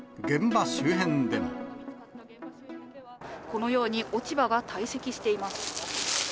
このように、落ち葉が堆積しています。